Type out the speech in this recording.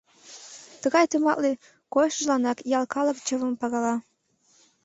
Тыгай тыматле койышыжланак ял калык чывым пагала.